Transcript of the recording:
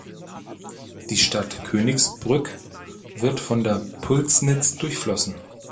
Die Stadt Königsbrück wird von der Pulsnitz durchflossen.